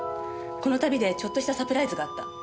「この旅でちょっとしたサプライズがあった」